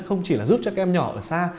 không chỉ là giúp cho các em nhỏ ở xa